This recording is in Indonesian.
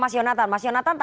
ini disampaikan langsung oleh